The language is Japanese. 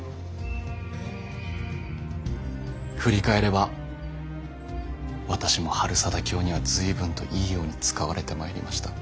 振り返れば私も治済卿には随分といいように使われてまいりました。